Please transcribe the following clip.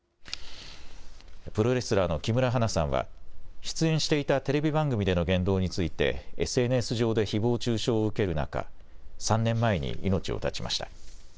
プロレスラーの木村花さんは、出演していたテレビ番組での言動について、ＳＮＳ上でひぼう中傷を受ける中、３年前に命を絶ちました。